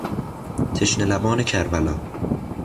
تشنه لبان کربلا